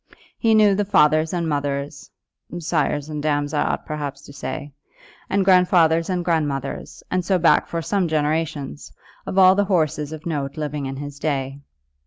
He knew the fathers and mothers, sires and dams I ought perhaps to say, and grandfathers and grandmothers, and so back for some generations, of all the horses of note living in his day.